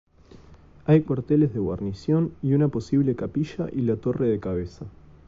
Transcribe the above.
Hay cuarteles de guarnición, y una posible capilla y la torre de cabeza.